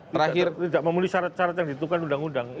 tidak memenuhi syarat syarat yang ditentukan undang undang